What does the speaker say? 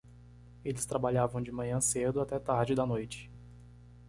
Eles trabalhavam de manhã cedo até tarde da noite.